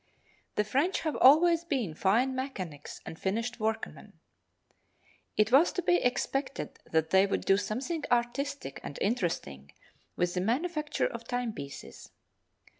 The French have always been fine mechanics and finished workmen. It was to be expected that they would do something artistic and interesting with the manufacture of timepieces.